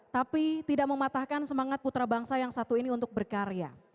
tapi tidak mematahkan semangat putra bangsa yang satu ini untuk berkarya